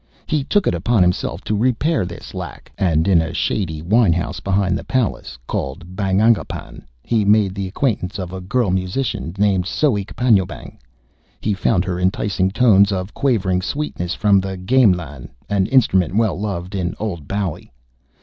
He took it upon himself to repair this lack, and in a shady wine house behind the palace, called the Barangipan, he made the acquaintance of a girl musician named Soek Panjoebang. He found her enticing tones of quavering sweetness from the gamelan, an instrument well loved in Old Bali.